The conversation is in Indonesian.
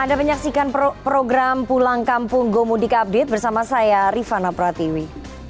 anda menyaksikan program pulang kampung go mudik update bersama saya rifana pratiwi